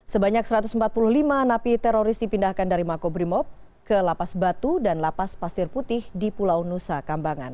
sebanyak satu ratus empat puluh lima napi teroris dipindahkan dari makobrimob ke lapas batu dan lapas pasir putih di pulau nusa kambangan